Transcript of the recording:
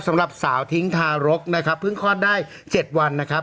สำหรับสาวทิ้งทารกนะครับเพิ่งคลอดได้๗วันนะครับ